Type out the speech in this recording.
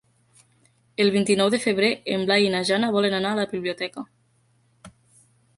El vint-i-nou de febrer en Blai i na Jana volen anar a la biblioteca.